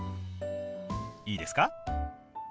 いいですか？